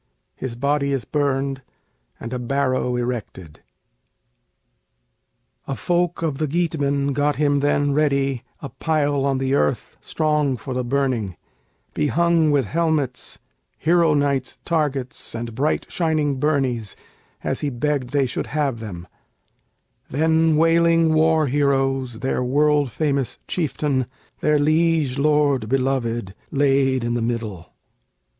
His body is burned, and a barrow erected.] A folk of the Geatmen got him then ready A pile on the earth strong for the burning, Behung with helmets, hero knight's targets, And bright shining burnies, as he begged they should have them; Then wailing war heroes their world famous chieftain, Their liege lord beloved, laid in the middle.